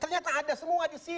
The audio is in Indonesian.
ternyata ada semua di sini